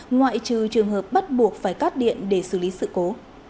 ngoại trừ trường hợp bắt buộc phải cắt điện để xử lý sự cố